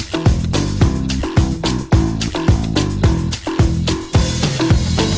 โลกสิรารที่เป็นแบบปลอดภัย